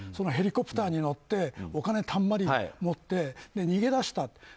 ヘリコプターに乗ってお金たんまり持って逃げ出した。